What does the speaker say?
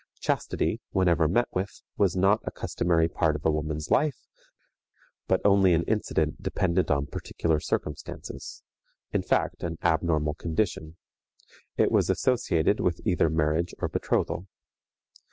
Chastity, whenever met with, was not a customary part of woman's life, but only an incident dependent on particular circumstances; in fact, an abnormal condition. It was associated with either marriage or betrothal.